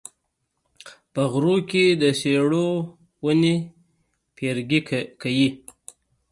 په غرونو کې د څېړو ونې پیرګي کوي